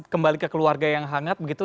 kembali ke keluarga yang hangat begitu